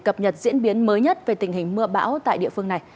đây là một trong những diễn biến mới nhất về tình hình mưa bão tại địa phương này